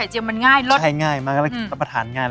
ใช่ง่ายมากและประทานง่าย